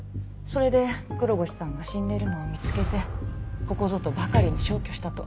それで黒越さんが死んでいるのを見つけてここぞとばかりに消去したと。